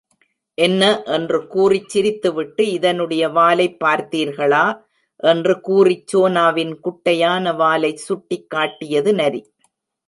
? என்று கூறிச் சிரித்து விட்டு, இதனுடைய வாலைப் பார்த்தீர்களா? என்று கூறிச் சோனாவின் குட்டையான வாலைச் சுட்டிக்காட்டியது நரி.